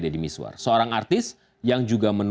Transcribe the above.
terima kasih anwar asyman